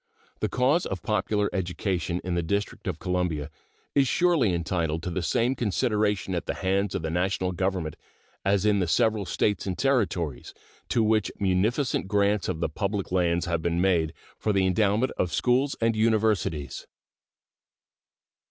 The cause of popular education in the District of Columbia is surely entitled to the same consideration at the hands of the National Government as in the several States and Territories, to which munificent grants of the public lands have been made for the endowment of schools and universities.